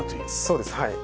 そうですはい。